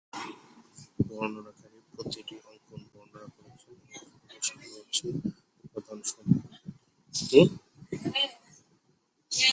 বর্ণনাকারী প্রতিটি অঙ্কন বর্ণনা করেছেন এবং কিভাবে শেখানো হচ্ছে উপাদান সম্পর্কিত।